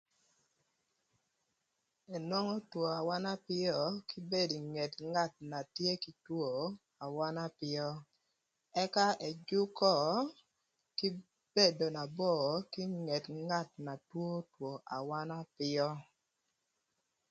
Enongo two awöna öpïö kï bedo ï nget ngat na tye kï two awöna öpïö, ëka ëjükö kï bedo na bor kï nget ngat na two two awöna öpïö.